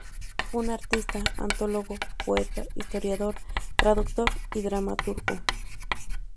Fue un artista, antólogo, poeta, historiador, traductor y dramaturgo.